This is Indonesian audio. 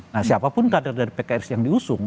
nah siapapun kadang kadang pks yang diusung